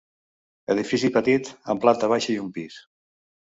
Edifici petit, amb planta baixa i un pis.